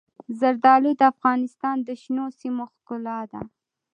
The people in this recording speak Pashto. زردالو د افغانستان د شنو سیمو ښکلا ده.